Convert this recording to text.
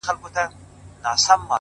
• د پښتنو درنې جرګې به تر وړۍ سپکي سي,